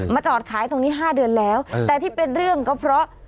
จอดขายตรงนี้๕เดือนแล้วแต่ที่เป็นเรื่องก็เพราะ